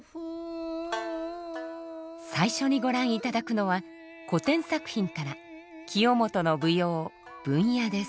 最初にご覧いただくのは古典作品から清元の舞踊「文屋」です。